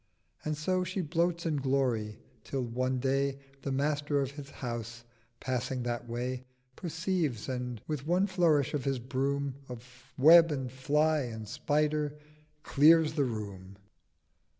And so She bloats in Glory: till one Day The Master of the House, passing that way, Perceives, and with one flourish of his Broom Of Web and Fly and Spider clears the Room.